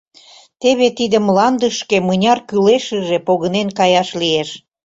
Теве тиде мландышке мыняр кӱлешыже погынен каяш лиеш.